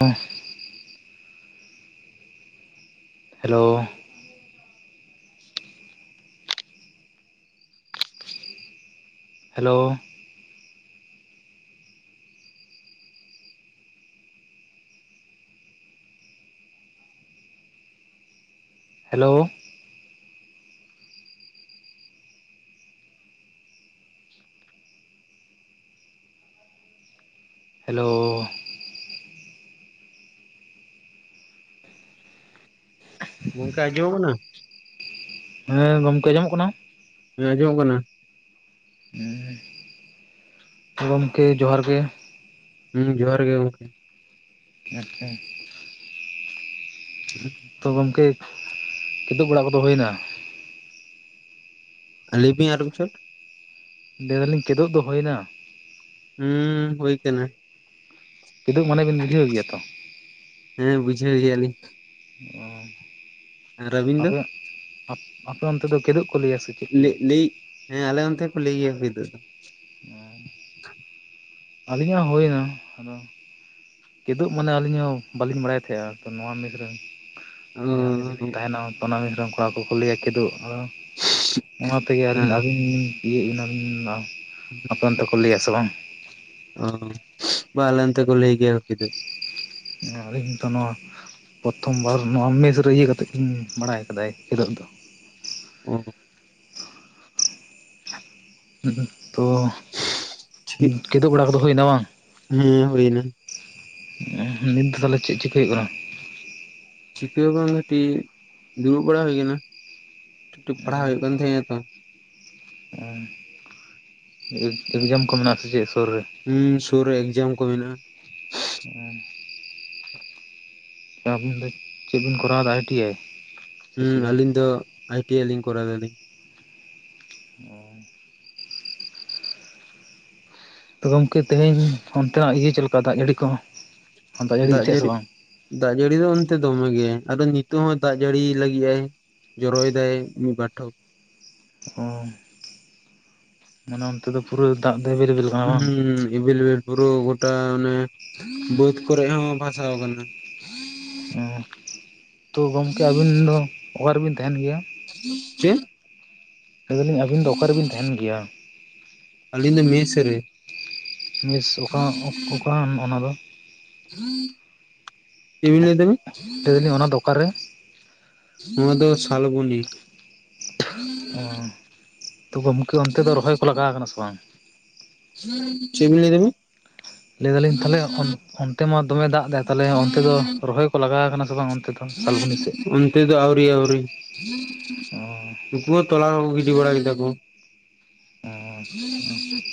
ᱚᱸ hello hello hello hello. ᱜᱚᱝᱠᱮ ᱟᱡᱚᱢᱚ ᱠᱟᱱᱟ? ᱦᱮᱸ ᱜᱚᱝᱠᱮ ᱟᱸᱡᱚᱢᱚᱜ ᱠᱟᱱᱟ? ᱦᱮᱸ ᱟᱸᱡᱚᱢᱚᱜ ᱠᱟᱱᱟ ᱾ ᱜᱚᱝᱠᱮ ᱡᱚᱦᱟᱨ ᱜᱮ᱾ ᱦᱤᱸ ᱡᱚᱦᱟᱨ ᱜᱮ ᱜᱚᱝᱠᱮ ᱾ ᱟᱪᱪᱷᱟ, ᱛᱚ ᱜᱚᱝᱠᱮ ᱠᱤᱫᱩᱵ ᱵᱮᱲᱟ ᱠᱚᱫᱚ ᱦᱩᱭᱱᱟ? ᱟᱞᱤᱯᱤ ᱟᱨ ᱵᱚᱪᱷᱚᱴ ᱞᱟᱹᱣᱞᱤᱧ ᱠᱤᱫᱩᱵ ᱫᱚᱦᱚᱭᱮᱱᱟ? ᱦᱩᱸ ᱦᱩᱭ ᱠᱟᱱᱟ ᱾ ᱠᱤᱫᱩᱵ ᱢᱟᱱᱮ ᱵᱤᱱ ᱵᱩᱡᱷᱟᱣ ᱜᱮᱭᱟ ᱛᱚ ᱾ ᱦᱮᱸ ᱵᱩᱡᱷᱟᱹᱣ ᱜᱮᱭᱟ ᱞᱤᱧ ᱾ ᱚ ᱟᱹᱵᱤᱱ ᱫᱚ ᱟᱯᱮᱭᱟᱜ ᱟᱯᱮ ᱚᱱᱛᱮ ᱫᱚ ᱠᱤᱫᱩᱵ ᱠᱚ ᱞᱟᱹᱭᱟ ᱥᱮ ᱪᱮᱫ ᱠᱚ ᱞᱮ ᱞᱟᱹᱭᱟ? ᱞᱟᱹᱭ ᱦᱮᱸ ᱟᱞᱮ ᱚᱱᱛᱮ ᱠᱮ ᱞᱟᱹᱭᱭᱟ ᱦᱩᱭ ᱠᱤᱫᱩᱰ ᱫᱚ ᱾ ᱦᱮᱸ ᱟᱹᱞᱤᱧᱟᱜ ᱦᱩᱭ ᱱᱟ ᱟᱫᱚ ᱠᱤᱫᱩᱜ ᱢᱟᱱᱮ ᱟᱹᱞᱤᱧ ᱦᱚᱸ ᱵᱟᱹᱞᱤᱧ ᱵᱟᱲᱟᱭ ᱛᱟᱦᱮᱸ ᱟᱫᱚ ᱱᱚᱣᱟ ᱢᱮᱤᱥᱨᱮ ᱚ ᱡᱟᱦᱟᱸ ᱢᱮᱥ ᱨᱮᱞᱤᱤᱧ ᱛᱟᱦᱮᱱᱟ ᱛᱚ ᱚᱱᱟ ᱢᱮᱥ ᱨᱮᱱ ᱠᱚᱲᱟ ᱠᱚᱠᱚ ᱠᱩᱞᱤᱭᱟ ᱠᱤᱫᱩᱜ ᱾ ᱚᱱᱟ ᱛᱮᱜᱮ ᱟᱞᱤᱧ ᱦᱮᱸ ᱟᱹᱵᱤᱱ ᱠᱩᱞᱤ ᱭᱮᱫ [unintelligible] ᱟᱯᱮ ᱚᱱᱛᱮ ᱠᱚ ᱞᱟᱤ ᱟᱥᱮ ᱵᱟᱝ ᱾ ᱚ ᱵᱟ ᱟᱦᱞᱚᱱᱛᱮ ᱠᱚ ᱞᱟᱤ ᱜᱮᱭᱟ ᱠᱤᱫᱚᱜ ᱾ ᱦᱮ ᱟᱹᱞᱤᱧ ᱦᱚᱸᱛᱚ ᱱᱚᱣᱟ ᱯᱚᱨᱛᱷᱚᱢ ᱵᱟᱨ ᱱᱚᱣᱟ ᱢᱮᱥ ᱨᱮ ᱤᱭᱟᱹ ᱠᱟᱛᱮᱜ ᱜᱮᱞᱤᱧ ᱵᱟᱲᱟᱭ ᱠᱟᱫᱟᱭ ᱠᱤᱫᱮᱜ ᱫᱚ ᱾ ᱚ ᱛᱚ ᱴᱷᱤᱠ ᱠᱤᱫᱳᱵ ᱵᱟᱲᱟ ᱠᱚᱫᱚ ᱦᱩᱭᱱᱟ ᱵᱟᱝ? ᱦᱮᱸ ᱦᱩᱭᱭᱱᱟ ᱾ ᱱᱤᱛ ᱫᱚ ᱛᱟᱦᱚᱞᱮ ᱪᱮᱫ ᱪᱤᱠᱟᱭ ᱦᱩᱭᱩᱜ ᱠᱟᱱᱟ? ᱪᱤᱠᱟᱹᱠ ᱦᱚ ᱵᱟᱝᱜᱮ ᱠᱟᱹᱴᱤᱡ ᱫᱩᱲᱩᱵ ᱵᱟᱲᱟ ᱦᱳᱭ ᱠᱟᱱᱟ ᱴᱩᱠ‌ ᱴᱟᱠ ᱯᱟᱲᱦᱟᱣ ᱦᱳᱭᱳᱜ ᱠᱟᱱ ᱛᱟᱦᱮᱸᱡᱟ ᱛᱚ ᱾ ᱚ ᱮᱠ ᱮᱠᱡᱟᱢ ᱠᱚ ᱢᱮᱱᱟᱜ ᱟᱥᱮ ᱪᱮᱫ ᱥᱳᱨ ᱨᱮ? ᱦᱩᱸ ᱥᱳᱨ ᱨᱮ ᱮᱠᱡᱟᱢ ᱠᱚ ᱢᱮᱱᱟᱜᱼᱟ ᱾ ᱚ ᱟᱵᱤᱱ ᱫᱚ ᱪᱮᱫ ᱵᱤᱱ ᱠᱚᱨᱟᱣᱫᱟ ᱟᱭ ᱴᱤ ᱟᱭ ᱾ ᱦᱩᱸ ᱟᱹᱞᱤᱧ ᱫᱚ ᱟᱭ ᱴᱤ ᱟᱭ ᱞᱤᱧ ᱠᱚᱨᱟᱣ ᱫᱟᱞᱤᱧ ᱾ ᱚ ᱛᱚ ᱜᱚᱝᱠᱮ ᱛᱮᱦᱤᱧ ᱚᱱᱛᱮᱱᱟᱜ ᱤᱭᱟᱹ ᱪᱮᱫ ᱞᱮᱠᱟ ᱫᱟᱜ ᱡᱟᱹᱲᱤ ᱠᱚ? ᱡᱟᱹᱲᱤᱭᱮᱫ ᱫᱟᱜ ᱛᱟᱦᱮᱸᱜ ᱥᱮ ᱡᱟᱹᱲᱤ ᱵᱟᱝ ᱫᱟᱜ ᱡᱟᱹᱲᱤ ᱫᱚ ᱚᱱᱛᱮ ᱫᱚᱢᱮ ᱜᱮ ᱟᱨᱫᱚ ᱱᱤᱛᱚᱜ ᱦᱚᱸ ᱫᱟᱜ ᱡᱟᱹᱲᱤ ᱞᱟᱹᱜᱤ ᱟᱭ ᱾ ᱡᱨᱚᱭ ᱫᱟᱭ ᱢᱤ ᱵᱟᱨ ᱴᱷᱚᱯ ᱾ ᱚ ᱢᱟᱱᱮ ᱚᱱᱛᱮ ᱫᱚ ᱯᱩᱨ ᱫᱟᱜ ᱫᱚ ᱮᱵᱮᱞᱮᱵᱮᱞ? ᱠᱟᱱᱟ ᱵᱟᱝ ᱦᱩ ᱤᱵᱮᱵᱮᱞ ᱯᱩᱨᱟᱩ ᱜᱚᱴᱟ ᱚᱱᱮ ᱵᱟᱹᱫ ᱠᱚᱨᱮ ᱦᱚᱸ ᱵᱷᱟᱥᱟᱣ ᱠᱟᱱᱟ ᱾ ᱩ ᱛᱳ ᱜᱚᱝᱠᱮ ᱟᱵᱤᱱ ᱫᱚ ᱚᱨᱟ ᱨᱮᱵᱤᱱ ᱛᱟᱦᱮᱱ ᱜᱮᱭᱟ? ᱪᱮᱫ? ᱞᱟᱹᱭ ᱫᱟᱞᱤᱧ ᱟᱹᱵᱤᱱ ᱫᱚ ᱚᱠᱟ ᱨᱮᱵᱤᱱ ᱛᱟᱦᱮᱱ ᱜᱮᱭᱟ ᱟᱞᱤᱧ ᱫᱚ ᱢᱮᱥ ᱨᱮ᱾ ᱢᱮᱥ ᱚᱠᱟ ᱚᱠᱟ ᱚᱱᱟ ᱫᱚ? ᱦᱮᱸ [inaudible] ᱚᱠ ᱞᱮ ᱫᱟᱞᱤᱧ ᱚᱱᱟ ᱫᱚ ᱚᱠᱟᱨᱮ? ᱱᱚᱣᱟ ᱫᱚ ᱥᱟᱞᱵᱚᱱᱤ᱾ ᱛᱚ ᱜᱚᱢᱠᱮ ᱚᱱᱛᱮ ᱫᱚ ᱨᱚᱦᱚᱭ ᱠᱚ ᱞᱟᱜᱟ ᱠᱟᱱᱟ ᱥᱮ ᱵᱟᱝ? ᱪᱮᱫᱵᱤᱱ ᱞᱟᱹᱭ ᱫᱟᱵᱤᱱ? ᱞᱟᱹᱭ ᱫᱟᱞᱤᱧ ᱛᱟᱦᱞᱮ ᱚᱱ ᱚᱱᱛᱮ ᱢᱟ ᱫᱚᱢᱮ ᱫᱟᱜ ᱫᱟᱭ ᱛᱟᱦᱞᱮ ᱚᱱᱛᱮ ᱫᱚ ᱨᱚᱦᱚᱭ ᱠᱚ ᱞᱟᱜᱟ ᱠᱟᱱᱟ ᱥᱮ ᱵᱟᱝ ᱚᱱᱛᱮ ᱫᱚ? ᱥᱟᱞᱵᱚᱱᱤ ᱥᱮᱫ ᱚᱱᱼᱼ ᱛᱮ ᱫᱚ ᱟᱹᱣᱨᱤ ᱟᱹᱣᱨᱤ ᱱᱩᱠᱩ ᱦᱚ ᱛᱞᱟ ᱠᱚᱠᱚ ᱜᱤᱰᱤ ᱵᱟᱲᱟ ᱠᱮᱫᱟ ᱠᱚ᱾ ᱦᱮᱸ [inaudible]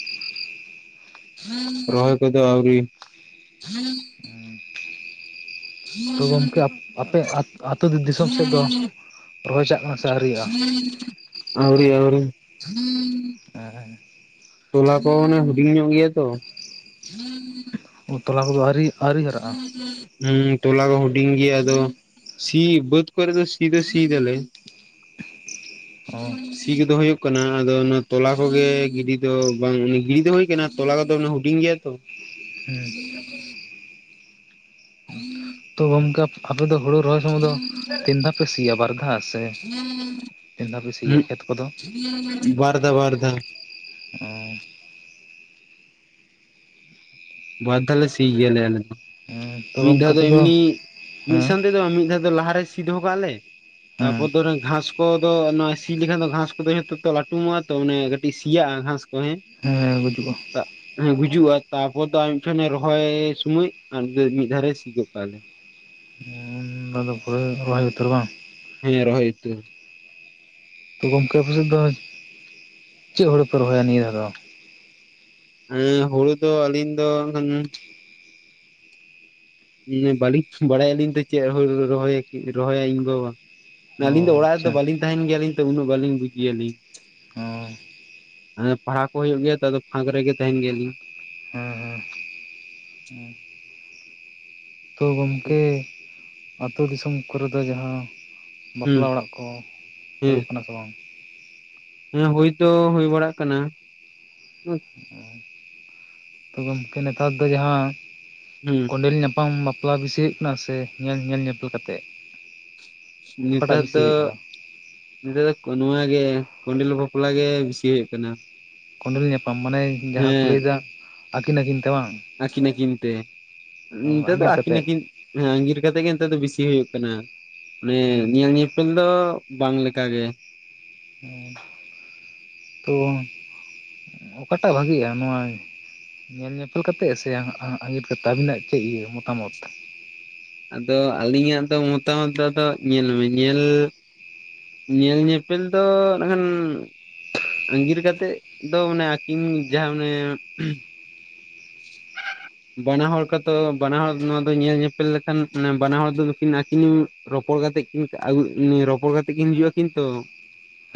ᱨᱚᱦᱚᱭ ᱠᱚᱫᱚ ᱟᱣᱨᱤ᱾ ᱛᱚ ᱜᱚᱝᱠᱮ ᱟᱯ ᱟᱯᱮᱼᱼ ᱟᱹᱛᱩ ᱫᱤᱥᱚᱢ ᱥᱮᱫ ᱫᱚ ᱨᱚᱦᱚᱭ ᱪᱟᱜ ᱠᱟᱱᱟ ᱥᱮ ᱟᱣᱨᱤᱭᱟ? ᱟᱹᱣᱨᱤ ᱟᱹᱣᱨᱤ ᱛᱚᱞᱟ ᱠᱚ ᱚᱱᱮ ᱦᱩᱰᱤᱧ ᱧᱚᱜ ᱜᱮᱭᱟ ᱛᱚ᱾ ᱚ ᱛᱚᱞᱟ ᱠᱚᱫᱚ ᱟᱹᱣᱨᱤᱭᱟᱜᱼᱼ ᱦᱮᱸ ᱦᱮ [inaudible] ᱦᱩᱸ ᱛᱚᱞᱟ ᱠᱚ ᱦᱩᱰᱤᱧ ᱜᱮᱭᱟ ᱟᱫᱚ ᱥᱤ ᱵᱟᱹᱫᱽ ᱠᱚᱨᱮ ᱫᱚ ᱥᱤ ᱫᱚ ᱥᱤ ᱫᱟᱞᱮ᱾ ᱚ ᱥᱤ ᱠᱚᱫᱚ ᱦᱳᱭᱳᱜ ᱠᱟᱱᱟ ᱟᱫᱚ ᱚᱱᱟ ᱛᱚᱞᱟ ᱠᱚᱜᱮ ᱜᱤᱰᱤ ᱫᱚ ᱵᱟᱝ ᱜᱤᱬᱤ ᱫᱚ ᱦᱳᱭ ᱠᱟᱱᱟ᱾ ᱛᱚᱞᱟ ᱠᱚᱫᱚ ᱚᱱᱟ ᱦᱩᱰᱤᱧ ᱜᱮᱭᱟ ᱛᱚ᱾ ᱦᱮᱸ ᱦᱩᱸ [inaudible] ᱛᱚ ᱜᱚᱝᱠᱮ ᱟᱯᱮ ᱫᱚ ᱦᱩᱲᱩ ᱨᱚᱦᱚᱭ ᱥᱚᱢᱚᱭ ᱫᱚ ᱛᱤᱱ ᱫᱷᱟᱣ ᱯᱮ ᱥᱤᱭᱟ ᱵᱟᱨ ᱫᱷᱟ ᱥᱮ? ᱛᱤᱱ ᱫᱷᱟ ᱯᱮ ᱥᱤᱭᱟ ᱠᱷᱮᱛ ᱠᱚᱫᱚ? ᱵᱟᱨ ᱫᱷᱟ ᱵᱟᱨ ᱫᱷᱟ᱾ [inaudible] ᱵᱟᱨ ᱫᱷᱟ ᱞᱮ ᱥᱤ ᱜᱮ ᱞᱮ ᱟᱞᱮ ᱦᱚᱸ᱾ ᱛᱚ ᱢᱤᱫ ᱫᱷᱟ ᱜᱚᱢᱠᱮ ᱫᱚ ᱟᱯᱮ ᱮᱢᱱᱤ ᱢᱤᱫ ᱦᱮᱸ ᱥᱟᱱ ᱛᱮ ᱫᱚ ᱵᱟᱝ ᱢᱤᱫ ᱫᱷᱟᱣ ᱫᱚ ᱞᱟᱦᱟ ᱨᱮ ᱥᱤᱼᱼ ᱥᱤ ᱫᱚᱦᱚ ᱠᱟᱜ ᱟᱞᱮ ᱛᱟᱨᱯᱚᱨ ᱦᱮᱸ ᱫᱚ ᱚᱱᱟ ᱜᱷᱟᱸᱥᱼᱼ ᱠᱚᱫᱚ ᱱᱚᱣᱟ ᱥᱤ ᱞᱮᱠᱷᱟᱱ ᱫᱚ ᱜᱷᱟᱸᱥ ᱠᱚᱫᱚ ᱡᱷᱚᱛᱚ ᱛᱚ ᱞᱟᱴᱩᱢᱚᱜᱼᱟ ᱛᱚ ᱢᱟᱱᱮ ᱠᱟᱴᱤᱡ ᱥᱤᱭᱟᱜᱼᱟ ᱜᱷᱟᱸᱥᱼᱼ ᱠᱚ ᱦᱮ ᱦᱮᱸ ᱜᱩᱡᱩᱜᱼᱟ ᱜᱩᱡᱩᱜᱼᱟ ᱛᱟᱯ [inaudible] ᱨᱚᱦᱚᱭ ᱥᱩᱢᱚᱭ ᱟᱨ ᱢᱤᱫ ᱫᱷᱟ ᱨᱮ ᱥᱤᱭ ᱜᱚᱫ ᱠᱟᱜ ᱟᱞᱮ ᱾ ᱚᱱᱟᱫᱚ ᱯᱩᱨᱟᱹ ᱨᱚᱦᱚᱭ ᱩᱛᱟᱹᱨ ᱵᱟᱝ? ᱦᱮᱸ ᱨᱚᱦᱚᱭ ᱩᱛᱟ. ᱨ᱾ ᱜᱚᱝᱠᱮ ᱟᱯᱮ ᱥᱮᱜ ᱫᱚ ᱪᱮᱫ ᱦᱳᱲᱳ ᱯᱮ ᱨᱚᱦᱚᱭᱟ ᱱᱤᱭᱟᱹ ᱫᱷᱟᱣ ᱫᱚ? ᱦᱩᱸ ᱦᱩᱲᱩ ᱫᱚ ᱟᱞᱤᱧ ᱫᱚ ᱼᱼ ᱵᱟᱞᱤᱧ ᱵᱟᱲᱟᱭᱟᱞᱤᱧ ᱛᱚ ᱪᱮᱫ ᱨᱩᱲᱩ ᱨᱚᱦᱚᱭ ᱨᱚᱦᱚᱭᱟ ᱤᱧ ᱵᱟᱵᱟ᱾ ᱟᱞᱤᱧ ᱫᱚ ᱚ ᱚᱲᱟᱜ ᱨᱮ ᱫᱚ ᱟᱪᱪᱷᱟ ᱵᱟᱞᱤᱧ ᱛᱟᱸᱦᱮᱱ ᱜᱮᱭᱟᱞᱤᱧ ᱛᱚ ᱩᱱᱟᱹᱜ ᱵᱟᱞᱤᱧ ᱵᱩᱡ ᱜᱮᱭᱟᱞᱤᱧ᱾ ᱚ ᱯᱟᱲᱦᱟ ᱠᱚ ᱦᱳᱭᱳᱜ ᱜᱮᱭᱟ ᱛᱚ ᱟᱫᱚ ᱯᱷᱟᱸᱠ ᱨᱮᱜᱮ ᱛᱟᱸᱦᱮᱱ ᱜᱮᱭᱟᱞᱤᱧ᱾ ᱦᱮᱸ ᱦᱮᱸ ᱛᱳ ᱜᱚᱝᱠᱮ ᱟᱛᱳ ᱫᱤᱥᱚᱢ ᱠᱚᱨᱮ ᱫᱚ ᱡᱟᱦᱟᱸ ᱼᱼ ᱦᱩᱸ ᱵᱟᱯᱞᱟ ᱚᱲᱟᱜ ᱠᱚ ᱦᱮᱸ ᱦᱳᱭᱳᱜ ᱠᱟᱱᱟ ᱥᱮ ᱵᱟᱝ? ᱦᱮᱸ ᱦᱳᱭ ᱫᱚ ᱦᱳᱭ ᱵᱟᱲᱟᱜ ᱠᱟᱱᱟ᱾ ᱛᱚ ᱜᱚᱢᱠᱮ ᱱᱮᱛᱟᱨ ᱫᱚ ᱡᱟᱦᱟᱸ ᱼᱼ ᱦᱩᱸ ᱠᱚᱸᱰᱮᱞ ᱧᱟᱯᱟᱢ ᱵᱟᱯᱞᱟ ᱵᱤᱥᱤ ᱦᱩᱭᱩᱜ ᱠᱟᱱᱟ ᱥᱮ ᱧᱮᱞ ᱧᱮᱞ ᱧᱮᱯᱮᱞ ᱠᱟᱛᱮᱜ? ᱱᱮᱛᱟᱨ ᱫᱚᱼᱼ ᱱᱮᱛᱟᱨ ᱫᱚ ᱱᱚᱣᱟ ᱜᱮ ᱠᱚᱸᱰᱮᱞ ᱵᱟᱯᱞᱟ ᱜᱮ ᱵᱤᱥᱤ ᱦᱩᱭᱩᱜ ᱠᱟᱱᱟ᱾ ᱠᱚᱸᱰᱮᱞ ᱧᱟᱯᱟᱢ ᱢᱟᱱᱮ ᱡᱟᱦᱟᱸ ᱠᱚ ᱞᱟᱹᱭᱮᱫᱟ ᱟᱠᱤᱱ ᱟᱠᱤᱱ ᱛᱮ ᱵᱟᱝ? ᱟᱠᱤᱱ ᱟᱠᱤᱱ ᱛᱮ, ᱱᱤᱫᱟ, ᱫᱚ ᱟᱸᱜᱤᱨ ᱟᱠᱤᱱ ᱠᱟᱛᱮᱫ ᱟᱠᱤᱱᱼᱼ ᱟᱸᱜᱤᱨ ᱠᱟᱛᱮᱜ ᱜᱮ ᱱᱮᱛᱚᱜ ᱫᱚ ᱵᱤᱥᱤ ᱦᱩᱭᱩᱜ ᱠᱟᱱᱟ ᱾ ᱟᱱᱮ ᱦᱮᱸ ᱧᱮᱞ ᱧᱮᱼᱼ ᱧᱮᱯᱮᱞ ᱫᱚ ᱵᱟᱝ ᱞᱮᱠᱟ ᱜᱮ ᱾ [inaudible] ᱛᱳ [inaudible] ᱚᱠᱟᱴᱟᱜ ᱵᱷᱟᱜᱤᱼᱟ ᱱᱚᱣᱟ ᱼᱼ ᱧᱮᱞ ᱧᱮᱯᱮᱞ ᱠᱟᱛᱮᱜ ᱥᱮ ᱟᱸ ᱟᱸᱜᱤᱛ ᱠᱟᱛᱮᱜ ᱟᱵᱤᱱᱟᱜ ᱪᱮᱫ ᱤᱭᱟᱹ ᱢᱚᱛᱟᱢᱚᱛ? ᱟᱫᱚ ᱟᱞᱤᱧᱟᱜ ᱫᱚ ᱢᱚᱛᱟ ᱢᱚᱛ ᱫᱚ ᱟᱫᱚ ᱧᱮᱞ ᱢᱮ ᱧᱮᱞᱼᱼ ᱧᱮᱞ ᱧᱮᱯᱮᱞ ᱫᱚ [unintelligible] ᱟᱸᱜᱤᱨ ᱠᱟᱛᱮᱜ ᱫᱚ ᱚᱱᱮ ᱟᱠᱤᱱ ᱡᱟᱦᱟᱸ ᱚᱱᱮᱼᱼ [inaudible] ᱵᱟᱱᱟ ᱦᱚᱲ ᱠᱚᱛᱚ ᱵᱟᱱᱟ ᱦᱚᱲ ᱱᱚᱣᱟ ᱫᱚ ᱧᱮᱞ ᱧᱮᱯᱮᱞ ᱞᱮᱠᱷᱟᱱ ᱢᱟᱱᱮ ᱵᱟᱱᱟ ᱦᱚᱲ ᱫᱚ ᱱᱩᱠᱤᱱ ᱟᱠᱤᱱᱼᱼ ᱨᱚᱯᱚᱲ ᱠᱟᱛᱮ ᱠᱤᱱ ᱟᱜᱩ ᱨᱚᱯᱚᱲ ᱠᱟᱛᱮ ᱠᱤᱱ ᱦᱤᱡᱩᱜᱼᱟ ᱠᱤᱱ ᱛᱚ ᱾ [inaudible]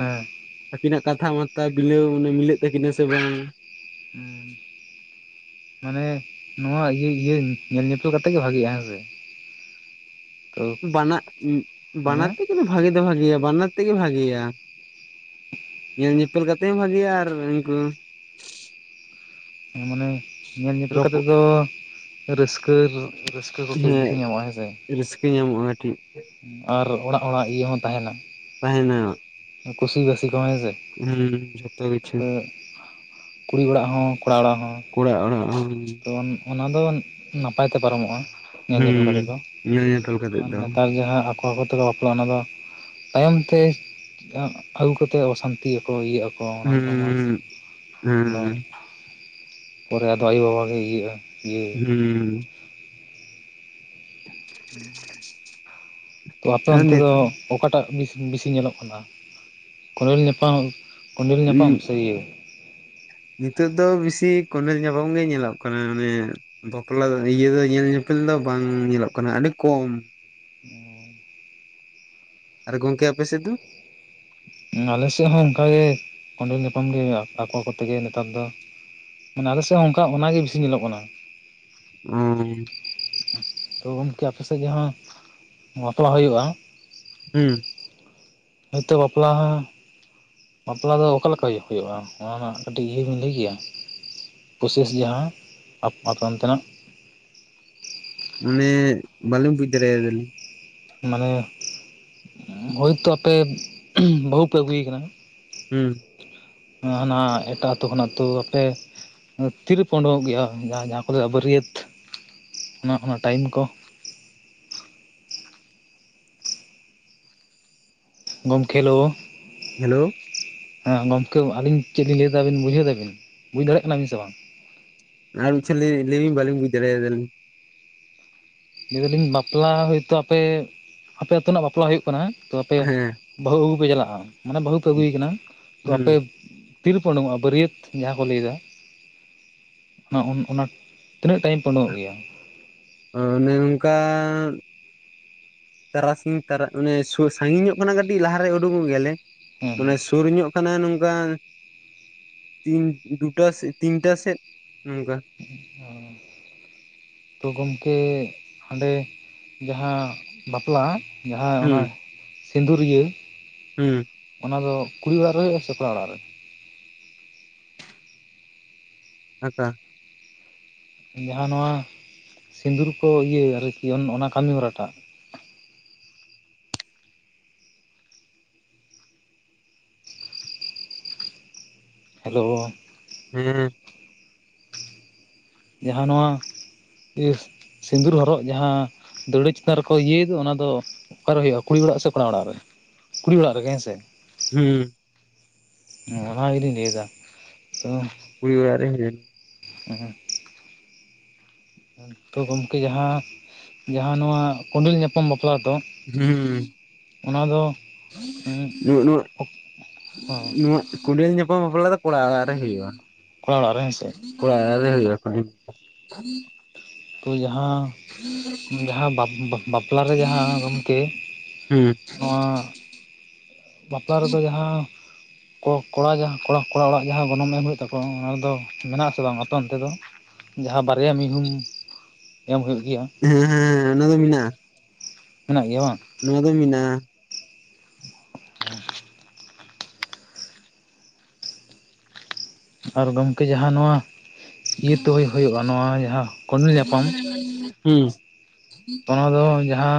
ᱟᱠᱤᱱᱟᱜ ᱠᱟᱛᱷᱟ ᱢᱟᱛᱟ ᱵᱤᱞᱟᱹᱣ ᱢᱤᱞᱟᱹᱜ ᱛᱟᱠᱤᱱᱟ ᱥᱮ ᱵᱟᱝ, ᱦᱮᱸ [inaudible] [inaudible] ᱢᱟᱱᱮ ᱱᱚᱣᱟ ᱤᱭᱟᱹ ᱤᱭᱟᱹ ᱧᱮᱞ ᱧᱯᱮᱞ ᱠᱟᱛᱮᱜ ᱜᱮ ᱵᱷᱟᱜᱤᱼᱟ ᱦᱮᱸᱥᱮ ᱾ ᱵᱟᱱᱟᱜ ᱵᱟᱱᱟᱨ ᱦᱮᱸ ᱛᱮᱜᱮ ᱵᱷᱟᱜᱤ ᱫᱚ ᱵᱷᱟᱜᱤᱭᱟ ᱵᱟᱱᱟᱨ ᱛᱮᱜᱮ ᱵᱷᱟᱜᱤᱭᱟ ᱾ ᱧᱮᱞ ᱧᱮᱯᱮᱞ ᱠᱟᱛᱮ ᱦᱚᱸ ᱵᱷᱟᱜᱮᱭᱟ ᱟᱨ ᱩᱱᱠᱩᱼᱼ [inaudible] ᱢᱟᱱᱮᱼᱼ [inaudible] ᱧᱮᱞ ᱧᱮᱯᱮᱞ ᱠᱟᱛᱮᱜ ᱨᱚᱯᱚᱜ ᱫᱚ ᱨᱟᱹᱥᱠᱟᱹ ᱨᱟᱹᱥᱠᱟᱹ ᱠᱟᱹᱴᱤᱡ ᱵᱮᱥᱤ ᱦᱮᱸ ᱧᱟᱢᱚᱜᱼᱟ ᱦᱮᱸᱥᱮ ᱾ ᱨᱟᱹᱥᱠᱟᱹ ᱧᱟᱢᱚᱜᱼᱟ ᱴᱷᱤᱠ ᱾ [inaudible] ᱟᱨ ᱚᱲᱟᱜ ᱚᱲᱟᱜ ᱤᱭᱟᱹ ᱦᱚᱸ ᱛᱟᱸᱦᱮᱱᱟ ᱾ ᱛᱟᱦᱮᱱᱟ ᱾ ᱠᱩᱥᱤ ᱵᱟᱥᱤ ᱠᱚᱦᱚ ᱦᱮᱸ ᱥᱮ ᱾ ᱦᱩᱸ ᱡᱷᱚᱛᱚ ᱠᱤᱪᱷᱩ ᱾ ᱠᱩᱲᱤ ᱚᱲᱟᱜ ᱦᱚᱸ ᱠᱚᱲᱟ ᱚᱲᱟᱜ ᱦᱚᱸ, ᱠᱚᱲᱟ ᱚᱲᱟᱜ ᱦᱚᱸ, [inaudible] ᱚᱱ ᱚᱱᱟ ᱫᱚ ᱱᱟᱯᱟᱭ ᱛᱮ ᱯᱟᱨᱚ ᱢᱚᱜᱼᱟ ᱾ ᱧᱮᱞ ᱦᱩᱸ ᱧᱮᱯᱮᱞ ᱠᱟᱛᱮᱜ ᱫᱚ, ᱧᱮᱞ ᱧᱮᱯᱮᱞ ᱠᱟᱛᱮᱫ ᱟᱨ ᱫᱚ ᱱᱮᱛᱟᱨ ᱡᱟᱸᱦᱟ ᱟᱠᱚ ᱟᱠᱚ ᱛᱮᱠᱚ ᱵᱟᱯᱞᱟᱜᱼᱟ ᱚᱱᱟ ᱫᱚᱼᱼ [inaudible] ᱛᱟᱭᱚᱢ ᱛᱮ ᱟᱹᱜᱩ ᱠᱟᱛᱮᱫ ᱚᱥᱟᱱᱛᱤ ᱟᱠᱚ ᱤᱭᱟᱹᱜ ᱟᱠᱚᱼᱼ [inaudible] ᱛᱚ ᱚᱱᱟ ᱫᱚ ᱦᱩᱸ ᱢᱟ ᱦᱮᱸ ᱯᱚᱨᱮ ᱟᱫᱚ ᱟᱭᱳ ᱵᱟᱵᱟ ᱜᱮ ᱤᱭᱟᱹᱜᱼᱟ ᱾ ᱦᱩᱸ [inaudible] ᱛᱚ ᱟᱯᱮ ᱟᱨ ᱚᱱᱛᱮ ᱱᱤᱛ ᱫᱚ ᱚᱠᱟ ᱴᱟᱜ ᱵᱮᱥᱤ ᱧᱮᱞᱚᱜ ᱠᱟᱱᱟ ᱠᱳᱸᱰᱮᱞ ᱧᱟᱯᱟᱢ ᱾ ᱠᱳᱸᱰᱮᱞ ᱧᱟᱯᱟᱢ ᱥᱮ ᱤᱭᱟᱹ? ᱱᱤᱛᱚᱜ ᱫᱚ ᱵᱮᱥᱤ ᱠᱳᱸᱰᱮᱞ ᱧᱟᱯᱟᱢ ᱜᱮ ᱧᱮᱞᱚᱜ ᱠᱟᱱᱟ ᱚᱱᱮᱼᱼ ᱵᱟᱯᱞᱟ ᱫᱚ ᱤᱭᱟᱹ ᱫᱚ ᱧᱮᱞ ᱧᱮᱯᱮᱞ ᱫᱚ ᱵᱟᱝ ᱧᱮᱞᱚᱜ ᱠᱟᱱᱟ ᱟᱹᱰᱤ ᱠᱚᱢ ᱾ [unintelligible] ᱟᱨ ᱜᱚᱝᱠᱮ ᱟᱯᱮ ᱥᱮᱫ ᱫᱚ? [inaudible] ᱟᱞᱮ ᱥᱮᱫ ᱦᱚᱸ ᱚᱱᱠᱟᱜ ᱜᱮ, ᱠᱚᱸᱰᱮᱞ ᱧᱟᱯᱟᱢ ᱜᱮ ᱟᱠᱚ ᱟᱠᱚ ᱛᱮᱜᱮ ᱱᱮᱛᱟᱨ ᱫᱚ ᱾ [inaudible] ᱢᱟᱱᱮ ᱟᱞᱮ ᱥᱮᱫ ᱦᱚᱸ ᱚᱱᱠᱟ ᱚᱱᱟᱜ ᱜᱮ ᱵᱤᱥᱤ ᱧᱮᱞᱚᱜ ᱠᱟᱱᱟ ᱾ [unintelligible] [inaudible] ᱛᱚ ᱜᱚᱝᱠᱮ ᱟᱯᱮ ᱥᱮᱫ ᱡᱟᱸᱦᱟ ᱵᱟᱯᱞ ᱦᱩᱭᱩᱜᱼᱟ, ᱦᱩᱸ [inaudible] ᱦᱚᱭ ᱛᱚ ᱵᱟᱯᱞᱟ ᱼᱼ [inaudible] ᱵᱟᱯᱞᱟ ᱫᱚ ᱚᱠᱟ ᱞᱮᱠᱟ ᱦᱩᱭᱩᱜᱼᱟ ᱚᱱᱟ ᱨᱮᱱᱟᱜ ᱠᱟᱹᱴᱤᱡ ᱤᱭᱟᱹᱢ ᱞᱟᱹᱭ ᱠᱮᱭᱟ ᱾ ᱯᱨᱚᱥᱮᱥ ᱡᱟᱦᱟ ᱟᱯᱮ ᱚᱱᱛᱮ ᱱᱟᱜ ᱾ ᱢᱟᱱᱮ ᱵᱟᱞᱤᱧ ᱵᱩᱡᱽ ᱫᱟᱲᱮ ᱟᱫᱟ ᱞᱤᱧ ᱾ [inaudible] ᱢᱟᱱᱮ ᱦᱳᱭ ᱛᱚ ᱟᱯᱮ ᱵᱟᱹᱦᱩ ᱯᱮ ᱟᱹᱜᱩᱭᱮ ᱠᱟᱱᱟ, ᱦᱩᱸ ᱦᱟᱱᱮ ᱦᱟᱱᱟ ᱮᱴᱟᱜ ᱟᱹᱛᱳ ᱠᱷᱚᱱᱟᱜ [unintelligible] ᱟᱯᱮ ᱛᱤ ᱨᱮᱯᱮ ᱳᱰᱳᱝᱚᱜ ᱜᱮᱭᱟ ᱡᱟᱦᱟᱸ ᱡᱟᱦᱟ ᱠᱚ [unintelligible] ᱚᱱᱟ ᱚᱱᱟ ᱴᱟᱭᱤᱢ ᱠᱚ᱾ ᱜᱚᱝᱠᱮ ᱦᱮᱞᱳ᱾ ᱦᱮᱞᱳᱣ ᱦᱮᱸ ᱜᱚᱝᱠᱮ ᱟᱹᱞᱤᱧ ᱪᱮᱫ ᱞᱤᱧ ᱞᱟᱹᱭ ᱫᱟ ᱟᱵᱤᱱ ᱵᱩᱡᱷᱟᱹᱣ ᱫᱟ ᱵᱤᱱ ᱵᱩᱡᱽ ᱫᱟᱲᱮᱭᱟᱜ ᱠᱟᱱᱟ ᱵᱤᱱ ᱥᱮ ᱵᱟᱝ? ᱟᱨ [unintelligible] ᱞᱟᱹᱭ ᱵᱤᱱ ᱵᱟᱞᱤᱧ ᱵᱩᱡᱽ ᱫᱟᱲᱮᱭᱟᱫᱟ ᱟᱞᱤᱧ᱾ ᱞᱟᱹᱭ ᱫᱟ ᱞᱤᱧ ᱵᱟᱯᱞᱟ ᱦᱳᱭ ᱛᱚ ᱟᱯᱮ ᱟᱯᱮ ᱟᱹᱛᱳ ᱨᱮᱱᱟᱜ ᱵᱟᱯᱞᱟ ᱦᱳᱭᱳᱜ ᱠᱟᱱᱟ ᱦᱮᱸ ᱛᱚ ᱟᱯᱮᱼᱼ ᱦᱮᱸ ᱵᱟᱹᱦᱩ ᱟᱹᱜᱩ ᱯᱮ ᱪᱟᱞᱟᱜ-ᱟ ᱢᱟᱱᱮ ᱵᱟᱹᱦᱩ ᱯᱮ ᱟᱹᱜᱩᱭᱮ ᱠᱟᱱᱟ ᱛᱚ ᱟᱯᱮᱼᱼ ᱦᱩᱸ ᱛᱤᱨᱮᱯᱮ ᱳᱰᱳᱝᱚᱜ-ᱟ? ᱵᱟᱹᱨᱤᱭᱟᱹᱛ ᱡᱟᱦᱟᱸ ᱠᱚ ᱞᱟᱹᱭ ᱫᱟᱼᱼ ᱚᱱᱟ ᱚᱱᱟ ᱛᱤᱱᱟᱹᱜ ᱴᱟᱭᱤᱢ ᱯᱮ ᱳᱰᱳᱝᱚᱜ ᱜᱮᱭᱟ᱾ ᱚᱱᱮ ᱚᱱᱠᱟᱼᱼ ᱛᱟᱨᱟᱥᱤᱧ ᱛᱟᱨᱟ ᱢᱟᱱᱮ ᱥᱩ ᱥᱟᱸᱜᱤᱧ ᱧᱚᱜ ᱠᱷᱚᱱᱟᱜ ᱠᱟᱹᱴᱤᱡ ᱞᱟᱦᱟ‌ ᱨᱮ ᱳᱰᱳᱝᱚᱜ ᱜᱮᱭᱟ ᱞᱮ, ᱦᱮᱸ ᱦᱮᱸ ᱢᱟᱱᱮ ᱥᱩᱨ ᱧᱚᱜᱼᱼ ᱠᱟᱱᱟ ᱱᱚᱝᱠᱟ ᱛᱤᱱ ᱫᱩᱴᱟ ᱥᱮᱫ ᱛᱤᱱ ᱴᱟ ᱥᱮᱫ ᱱᱚᱝᱠᱟ᱾ ᱚᱸ ᱛᱚ ᱜᱚᱢᱠᱮ ᱦᱟᱸᱰᱮ ᱡᱟᱦᱟᱸ ᱵᱟᱯᱞᱟ, ᱡᱟᱦᱟᱸ ᱚᱱᱟ ᱦᱩᱸ ᱥᱤᱸᱫᱩᱨ ᱤᱭᱟᱹᱼᱼ ᱦᱩᱸ ᱚᱱᱟ ᱫᱚ ᱠᱩᱲᱤ ᱚᱲᱟᱜ ᱨᱮ ᱦᱳᱭᱳᱜ-ᱟ ᱥᱮ ᱠᱚᱲᱟ ᱚᱲᱟᱜ ᱨᱮ? ᱟᱸᱠᱟ? ᱡᱟᱦᱟᱸ ᱱᱚᱣᱟ ᱥᱤᱸᱫᱩᱨ ᱠᱚ ᱤᱭᱟᱹ ᱟᱨ ᱠᱤ ᱚᱱᱟ ᱠᱟᱹᱢᱤ ᱦᱚᱨᱟ‌ ᱴᱟᱜᱼᱼ [inaudible] ᱦᱮᱞᱳ ᱦᱮᱸ ᱦᱮᱸ ᱡᱟᱦᱟᱸ ᱱᱚᱣᱟ [inaudible] ᱥᱤᱸᱫᱩᱨ ᱦᱚᱨᱚᱜ ᱡᱟᱦᱟᱸ ᱫᱟᱹᱣᱲᱟᱹ ᱪᱮᱛᱟᱱ ᱨᱮᱠᱚ ᱤᱭᱟᱹᱭᱮᱫ ᱚᱱᱟ ᱫᱚᱼᱼ [inaudible] ᱚᱠᱟᱨᱮ ᱦᱩᱭᱩᱜ-ᱟ ᱠᱩᱲᱤ ᱚᱲᱟᱜ ᱥᱮ ᱠᱚᱲᱟ ᱚᱲᱟᱜ ᱨᱮ ᱠᱩᱲᱤ ᱚᱲᱟᱜ ᱨᱮᱜᱮ ᱦᱮᱸᱥᱮ? ᱦᱩᱸ ᱚᱸ ᱚᱱᱟ ᱜᱮᱛᱚᱧ ᱞᱟᱹᱭ ᱮᱫᱟ ᱛᱚ᱾ ᱠᱩᱲᱤ ᱚᱲᱟᱜ ᱨᱮ [inaudible] ᱩᱸ ᱛᱚ ᱜᱚᱢᱠᱮ ᱡᱟᱦᱟᱸ ᱡᱟᱦᱟᱸ ᱱᱚᱣᱟ ᱠᱚᱸᱰᱮᱞ ᱧᱟᱯᱟᱢ ᱵᱟᱯᱞᱟ ᱫᱚ? ᱦᱩᱸ ᱚᱱᱟ ᱫᱚ ᱦᱮᱸ ᱱᱚ ᱱᱚᱣᱟ ᱱᱚᱣᱟ᱾ [unintelligible] ᱠᱚᱹᱰᱮᱞ ᱧᱟᱯᱟᱢ ᱵᱟᱯᱞᱟ ᱫᱚ ᱠᱚᱲᱟ ᱚᱲᱟᱜ ᱨᱮ ᱦᱩᱭᱩᱜ-ᱟ᱾ ᱠᱚᱲᱟ ᱚᱲᱟᱜ ᱨᱮ ᱦᱮᱸᱥᱮ᱾ ᱠᱚᱲᱟ ᱚᱲᱟᱜ ᱦᱩᱭᱩᱜ-ᱟ [unintelligible] ᱛᱚ ᱡᱟᱦᱟᱸᱼᱼ ᱡᱟᱦᱟᱸ ᱵᱟᱯ ᱵᱟᱯᱞᱟ ᱨᱮ ᱡᱟᱦᱟᱸ ᱜᱚᱝᱠᱮ ᱦᱩᱸ ᱱᱚᱣᱟ ᱚᱸ ᱵᱟᱯᱞᱟ ᱨᱮᱫᱚ ᱡᱟᱦᱟᱸᱼᱼ ᱠᱚᱲᱟ ᱡᱟᱦᱟᱸ ᱠᱚᱲᱟ ᱠᱚᱲᱟ ᱚᱲᱟᱜ ᱠᱚ ᱠᱚ ᱠᱚᱲᱟ ᱜᱮᱦᱟᱸ ᱠᱚᱲᱟ ᱚᱲᱟᱜ ᱡᱟᱦᱟᱸ ᱜᱚᱱᱚᱝ ᱮᱢ ᱦᱩᱭᱩᱜ ᱛᱟᱠᱚᱣᱟ ᱚᱱᱟ ᱫᱚ ᱢᱮᱱᱟᱜ ᱟᱥᱮ ᱵᱟᱝᱟ ᱟᱯᱮᱚᱱᱛᱮ ᱫᱚ? ᱡᱟᱦᱟᱸ ᱵᱟᱨᱭᱟ ᱢᱤᱦᱩᱢ ᱮᱢ ᱦᱩᱭᱩᱜ ᱜᱮᱭᱟ᱾ ᱦᱮᱸ ᱦᱮᱸ ᱚᱱᱟ ᱫᱚ ᱢᱮᱱᱟᱜ-ᱟ᱾ ᱢᱮᱱᱟᱜ ᱜᱮᱭᱟ ᱵᱟᱝ? ᱱᱚᱣᱟ ᱫᱚ ᱢᱮᱱᱟᱜ-ᱟ᱾ [inaudible] ᱦᱮᱸ ᱟᱨ ᱜᱚᱢᱠᱮ ᱡᱟᱦᱟᱸ ᱱᱚᱣᱟ ᱤᱭᱟᱹ ᱛᱮ ᱦᱳᱭ ᱦᱩᱭᱩᱜ-ᱟ ᱱᱚᱣᱟ ᱡᱟᱦᱟᱸ ᱠᱳᱰᱮᱞ ᱧᱟᱯᱟᱢ, ᱦᱩᱸ᱾ ᱦᱩᱸ ᱚᱱᱟ ᱫᱚ ᱡᱟᱦᱟᱸᱼᱼ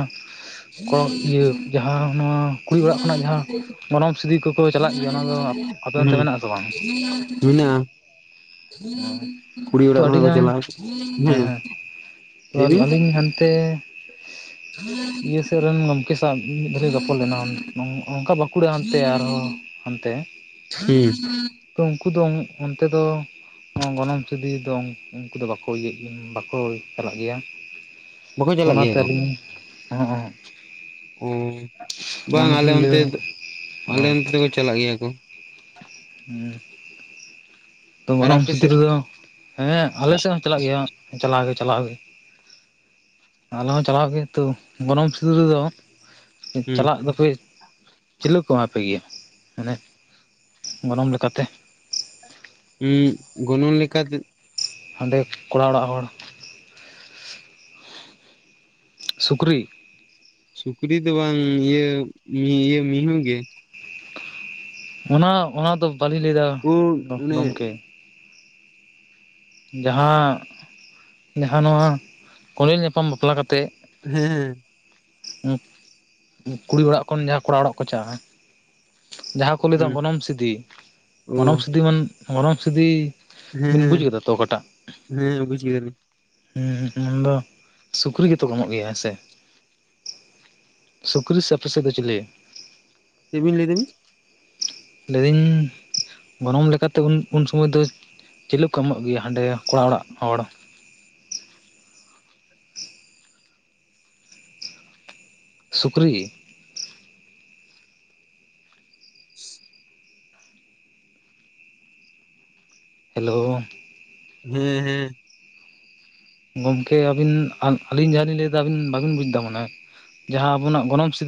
ᱠᱚ ᱤᱭᱟᱹ ᱡᱟᱦᱟᱸ ᱱᱚᱣᱟ ᱠᱩᱲᱤ ᱚᱲᱟᱜ ᱠᱷᱚᱱᱟᱜ ᱡᱟᱦᱟᱸ ᱜᱚᱱᱚᱝ ᱥᱤᱫᱤ ᱠᱚᱠᱚ ᱪᱟᱞᱟᱜ ᱜᱮᱭᱟ ᱚᱱᱟ ᱫᱚᱼᱼ ᱟᱯᱮ ᱚᱱᱛᱮ ᱦᱩᱸ ᱢᱮᱱᱟᱜ ᱟᱥᱮ ᱵᱟᱝ? ᱢᱮᱱᱟᱜᱼᱟ ᱠᱩᱲᱤ ᱛᱚ ᱚᱲᱟᱜ ᱠᱷᱚᱱᱟᱜ ᱠᱚ ᱟᱹᱰᱤᱜᱟᱱ ᱪᱟᱞᱟᱜᱼᱟ ᱦᱮ᱾ ᱦᱮᱸ ᱦᱮᱸ ᱟᱹᱞᱤᱧ ᱦᱟᱱᱛᱮᱼᱼ ᱤᱭᱟᱹ ᱥᱮᱜ ᱨᱮᱱ ᱜᱚᱢᱠᱮ ᱥᱟᱶ ᱢᱤᱫ ᱫᱷᱟᱣᱞᱤᱧ ᱨᱚᱯᱚᱲ ᱞᱮᱱᱟ ᱚᱱᱠᱟ ᱵᱟᱸᱠᱩᱲᱟ ᱦᱟᱱᱛᱮ ᱟᱨᱦᱚᱼᱼ ᱦᱟᱱᱛᱮ᱾ ᱦᱮᱸ᱾ ᱩᱱᱠᱩ ᱫᱚ ᱚᱱᱛᱮ ᱫᱚᱼᱼ ᱚᱝ ᱜᱚᱱᱚᱝ ᱥᱤᱫᱤ ᱫᱚ ᱩᱱᱠᱩ ᱫᱚ ᱵᱟᱠᱚ ᱤᱭᱟᱹᱜ ᱜᱮᱭᱟ ᱵᱟᱵᱚ ᱪᱟᱞᱟᱜ ᱜᱮᱭᱟ᱾ ᱵᱟᱠᱚ ᱛᱚ ᱪᱟᱞᱟᱜ ᱜᱮᱭᱟ ᱚᱱᱟᱛᱮ ᱠᱚ ᱟᱹᱞᱤᱧ, ᱦᱸᱼᱚ ᱚᱱᱟ ᱵᱟᱝᱼᱟ ᱟᱞᱮ ᱛᱮᱞᱤᱧ ᱚᱱᱛᱮ ᱞᱟᱹᱭᱟ ᱫ ᱟᱞᱮ ᱚᱱᱛᱮ ᱫᱚᱠᱚ ᱪᱟᱞᱟᱜ ᱜᱮᱭᱟ ᱠᱚ᱾ ᱦᱮᱸ᱾ ᱛᱚ ᱟᱨ ᱜᱚᱱᱚᱝ ᱟᱯᱮ ᱥᱤᱫᱤ ᱥᱮᱫ ᱨᱮᱫᱚ, ᱦᱮᱸ ᱟᱞᱮ ᱥᱮᱫ ᱦᱚᱸ ᱪᱟᱞᱟᱜ ᱜᱮᱭᱟ ᱪᱟᱞᱟᱜ ᱪᱟᱞᱟᱣ ᱜᱮ ᱪᱟᱞᱟᱣ ᱜᱮ᱾ ᱟᱞᱮ ᱦᱚᱸ ᱪᱟᱞᱟᱣ ᱜᱮ ᱛᱚ ᱜᱚᱱᱚᱝ ᱥᱤᱫᱤ ᱨᱮᱫᱚ ᱦᱩᱸ ᱪᱟᱞᱟᱜ ᱫᱚᱯᱮ ᱪᱤᱞᱤ ᱠᱚ ᱮᱢᱟᱯᱮ ᱜᱮᱭᱟ ᱢᱟᱱᱮ ᱜᱚᱱᱚᱝ ᱞᱮᱠᱟᱛᱮ? ᱩᱸ ᱜᱚᱱᱚᱝ ᱞᱮᱠᱟᱛᱮᱼᱼ ᱦᱟᱸᱰᱮ ᱠᱚᱲᱟ ᱚᱲᱟᱜ ᱦᱚᱲ ᱾ ᱥᱩᱠᱨᱤ᱾ ᱥᱩᱠᱨᱤ ᱫᱚ ᱵᱟᱝ ᱤᱭᱟᱹ, ᱤᱭᱟᱹ ᱢᱤᱦᱩ ᱜᱮ᱾ ᱚᱱᱟ ᱚᱱᱟ ᱫᱚ ᱵᱟᱹᱞᱤᱧ ᱞᱟᱹᱭ ᱫᱟ ᱳ ᱚᱱᱮ ᱜᱚᱢᱠᱮ᱾ ᱡᱟᱦᱟᱸ ᱡᱟᱦᱟᱸ ᱱᱚᱣᱟ ᱠᱚᱸᱰᱮᱞ ᱧᱟᱯᱟᱢ ᱵᱟᱯᱞᱟ ᱠᱟᱛᱮᱜᱼᱼ ᱦᱮᱸ᱾ ᱠᱩᱲᱤ ᱚᱲᱟᱜ ᱠᱷᱚᱱ ᱡᱟᱦᱟᱸ ᱠᱚᱲᱟ ᱚᱲᱟᱜ ᱠᱚ ᱪᱟᱞᱟᱜᱼᱟ ᱡᱟᱦᱟᱸᱼᱼ ᱠᱚ ᱞᱮᱫᱟ ᱦᱩᱸ ᱜᱚᱱᱚᱝ ᱥᱤᱫᱤ ᱜᱚᱱᱚᱝ ᱳ ᱥᱤᱫᱤ ᱢᱟᱱ ᱜᱚᱱᱚᱝ ᱥᱤᱫᱤ ᱦᱮᱸ ᱵᱤᱱ ᱵᱩᱡ ᱦᱮᱸ ᱠᱮᱫᱟ? ᱚᱠᱟᱴᱟᱜ? ᱦᱮᱸ ᱵᱩᱡ ᱠᱮᱫᱟ ᱞᱤᱧ ᱾ ᱦᱮᱸ ᱩᱱᱫᱚ ᱥᱩᱠᱨᱤ ᱜᱮᱛᱚ ᱠᱚ ᱮᱢᱚᱜ ᱜᱮᱭᱟ ᱦᱮᱸᱥᱮ ᱾ ᱥᱩᱠᱨᱤ ᱥᱮ ᱟᱯᱮ ᱥᱮᱫ‌ ᱫᱚ ᱪᱤᱞᱤ? ᱪᱮᱜ ᱵᱤᱱ ᱞᱟᱹᱭ ᱫᱟ ᱵᱤᱱ? ᱞᱟᱹᱭ ᱫᱟᱹᱧ, ᱜᱚᱱᱚᱝ ᱞᱮᱠᱟᱛᱮ ᱩᱱ ᱩᱱ ᱥᱳᱢᱳᱭ ᱫᱚ ᱪᱤᱞᱤ ᱠᱚ ᱮᱢᱚᱜ ᱜᱮᱭᱟ ᱦᱟᱸᱰᱮ ᱠᱚᱲᱟ ᱚᱲᱟᱜ ᱦᱚᱲ? ᱥᱩᱠᱨᱤ ᱾ [inaudible] ᱦᱮᱞᱳ ᱾ ᱦᱮᱸ ᱦᱮᱸ ᱾ ᱜᱚᱝᱠᱮ ᱟᱹᱵᱤᱱ ᱟ ᱼ ᱟᱹᱞᱤᱧ ᱡᱟᱸᱦᱟ ᱞᱤᱧ ᱞᱟᱹᱭ ᱫᱟ ᱟᱹᱵᱤᱱ ᱵᱟᱵᱤᱱ ᱵᱩᱡ ᱫᱟ ᱢᱟᱱᱮ ᱾ ᱡᱟᱸᱦᱟ ᱟᱵᱚ ᱱᱟᱜ ᱜᱚᱱᱚᱝ ᱥᱤᱫᱤ